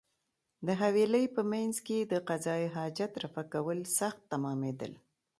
د حویلۍ په مېنځ کې د قضای حاجت رفع کول سخت تمامېدل.